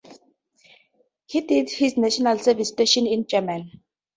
He did his National Service stationed in Germany.